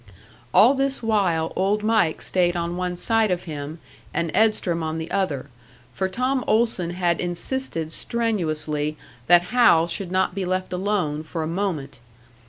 All this while Old Mike stayed on one side of him, and Edstrom on the other; for Tom Olson had insisted strenuously that Hal should not be left alone for a moment.